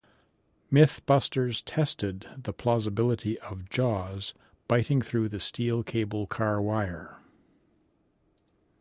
"MythBusters" tested the plausibility of Jaws biting through the steel cable car wire.